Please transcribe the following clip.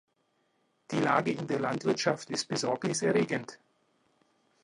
Die Lage in der Landwirtschaft ist besorgniserregend.